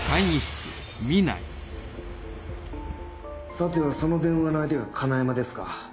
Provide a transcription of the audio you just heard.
さてはその電話の相手が金山ですか。